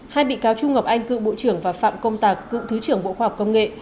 hai bị cáo trung ngọc anh cựu bộ trưởng và phạm công tạc cựu thứ trưởng bộ khoa học công nghệ